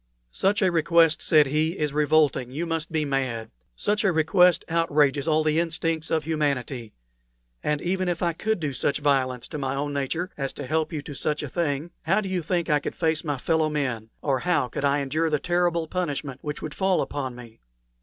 "Such a request," said he, "is revolting; you must be mad. Such a request outrages all the instincts of humanity. And even if I could do such violence to my own nature as to help you to such a thing, how do you think I could face my fellow men, or how could I endure the terrible punishment which would fall upon me?"